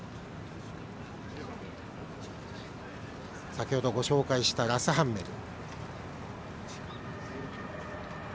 先ほどご紹介したラスハンメル。